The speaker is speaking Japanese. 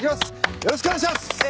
よろしくお願いします。